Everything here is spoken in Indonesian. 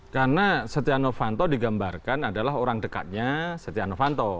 karena setia novanto digambarkan adalah orang dekatnya setia novanto